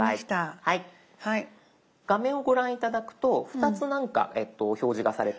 画面をご覧頂くと２つ何か表示がされてると思うんです。